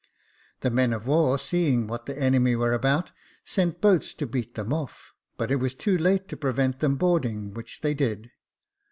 The men of war, seeing what the enemy were about, sent boats to beat them off; but it was too late to prevent them boarding, which they did.